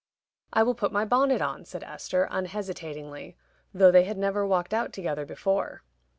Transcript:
"I will put my bonnet on," said Esther, unhesitatingly, though they had never walked out together before.